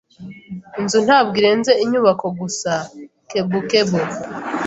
Inzu ntabwo irenze inyubako gusa. (kebukebu)